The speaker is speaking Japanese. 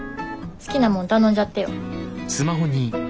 好きなもん頼んじゃってよ。